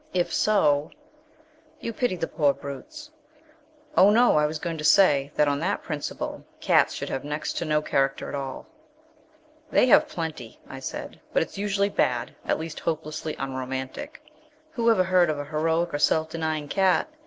If so " "You pity the poor brutes?" "Oh no. I was going to say that on that principle cats should have next to no character at all." "They have plenty," I said, "but it's usually bad at least hopelessly unromantic. Who ever heard of a heroic or self denying cat?